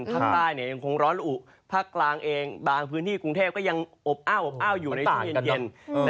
ภาคใต้เนี่ยยังคงร้อนอุภาคกลางเองบางพื้นที่กรุงเทพก็ยังอบอ้าวอยู่ในช่วงเย็น